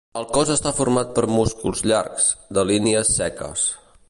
El cos està format per músculs llargs, de línies seques.